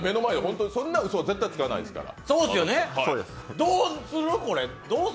そんなうそは絶対つかないですから。